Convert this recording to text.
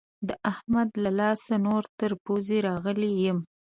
د احمد له لاسه نور تر پوزې راغلی يم.